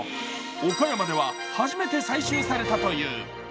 岡山では初めて採取されたという。